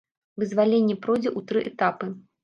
Вызваленне пройдзе ў тры этапы.